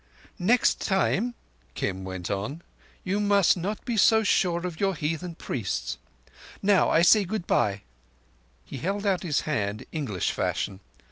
"Next time," Kim went on, "you must not be so sure of your heatthen priests. Now I say good bye." He held out his hand English fashion.